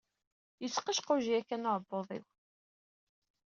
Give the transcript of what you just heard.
Yettqejquj yakan uɛebbuḍ-iw.